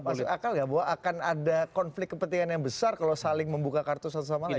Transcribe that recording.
masuk akal gak bahwa akan ada konflik kepentingan yang besar kalau saling membuka kartu satu sama lain